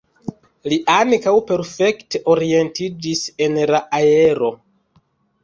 Li ankaŭ perfekte orientiĝis en la aero.